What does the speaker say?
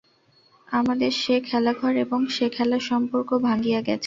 আমাদের সে খেলাঘর এবং সে খেলার সম্পর্ক ভাঙিয়া গেছে।